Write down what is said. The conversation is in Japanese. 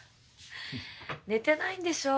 寝てないんでしょう？